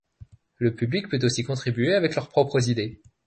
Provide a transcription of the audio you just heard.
Le public peut aussi contribuer avec leurs propres idées.